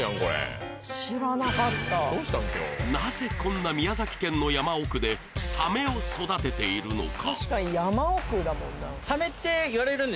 知らなかったなぜこんな宮崎県の山奥でサメを育てているのか？